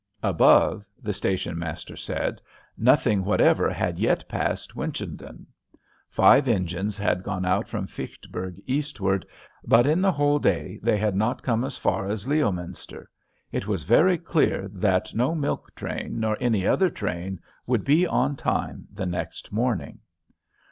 Above, the station master said, nothing whatever had yet passed Winchendon. Five engines had gone out from Fitchburg eastward, but in the whole day they had not come as far as Leominster. It was very clear that no milk train nor any other train would be on time the next morning.